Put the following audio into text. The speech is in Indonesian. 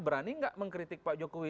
berani nggak mengkritik pak jokowi